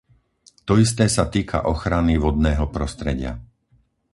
To isté sa týka ochrany vodného prostredia.